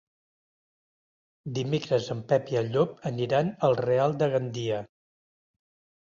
Dimecres en Pep i en Llop aniran al Real de Gandia.